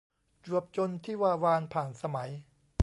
จวบจนทิวาวารผ่านสมัย